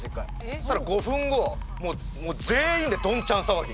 そしたら５分後全員でどんちゃん騒ぎ。